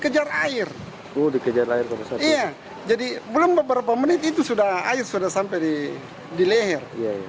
jadi belum beberapa menit itu sudah air sudah sampai di leher